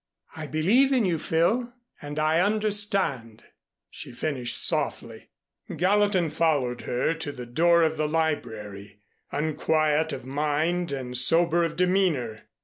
"I believe in you, Phil, and I understand," she finished softly. Gallatin followed her to the door of the library, unquiet of mind and sober of demeanor.